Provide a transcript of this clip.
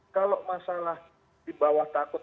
kalau masalah di bawah takut